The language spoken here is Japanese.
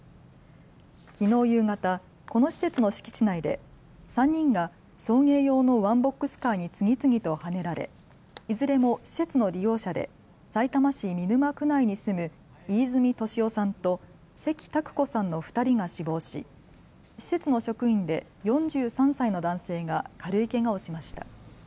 きのう夕方、この施設の敷地内で３人が送迎用のワンボックスカーに次々とはねられいずれも施設の利用者でさいたま市見沼区内に住む飯泉利夫さんと関拓子さんの２人が死亡し施設の職員で４３歳の男性が軽いけがをしました。